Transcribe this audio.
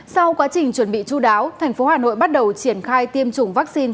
sau quá trình chuẩn bị chú đáo tp hcm bắt đầu triển khai tiêm chủng vaccine